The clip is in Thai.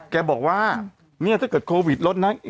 แกบอกว่าเนี่ยถ้าเกิดโควิดลดนะ